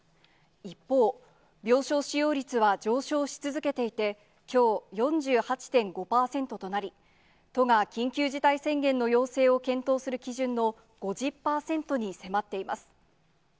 一方、病床使用率は上昇し続けていて、きょう、４８．５％となり、都が緊急事態宣言の要請を検討する基準の５０％に迫っています。